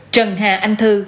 trần hà anh thư